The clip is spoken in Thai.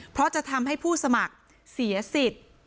เพราะจะทำให้ผู้สมัครเสียสิทธิ์